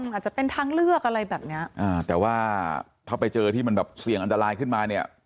อาจจะเป็นทางเลือกอะไรแบบเนี้ยอ่าแต่ว่าถ้าไปเจอที่มันแบบเสี่ยงอันตรายขึ้นมาเนี่ย